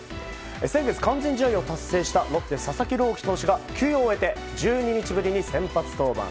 先月完全試合を達成したロッテ佐々木朗希投手が休養を終えて１２日ぶりに先発登板。